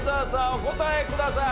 お答えください。